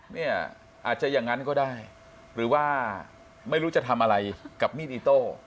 เนี่ยอาจจะอย่างนั้นก็ได้หรือว่าไม่รู้จะทำอะไรกับมีดอิโต้